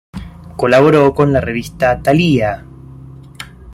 Colaboró con la Revista Talía.